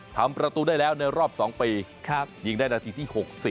ทำประตูได้แล้วในรอบ๒ปียิงได้นาทีที่๖๐